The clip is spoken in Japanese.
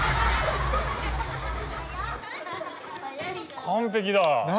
完璧だわ。